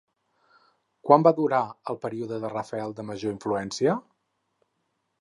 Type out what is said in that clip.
Quan va durar el període de Rafael de major influència?